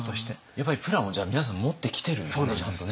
やっぱりプランをじゃあ皆さん持ってきてるんですねちゃんとね。